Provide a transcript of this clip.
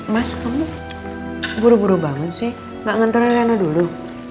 mas kamu buru buru bangun sih nggak ngentorin riana dulu